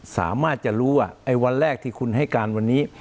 สามารถจะรู้ว่าไอ้วันแรกที่คุณให้การวันนี้